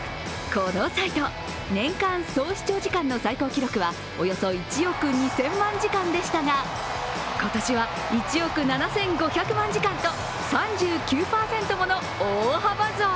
このサイト、年間総視聴時間の最高記録はおよそ１億２０００万時間でしたが、今年は１億７５００万時間と、３９％もの大幅増。